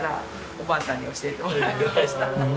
おばあさんに教えてもらいました。